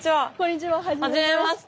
はじめまして。